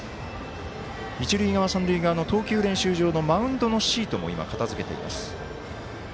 一塁側、三塁側の投球練習場のマウンドのシートも、今、片付けています。